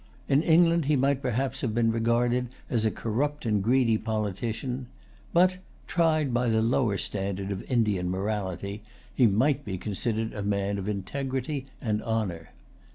In England he might perhaps have been regarded as a corrupt and greedy politician. But, tried by the lower standard of Indian morality, he might be considered as a man of integrity and honor.